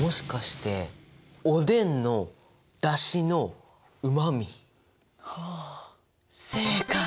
もしかしておでんのだしのお正解！